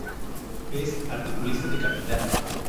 Es articulista de Capital.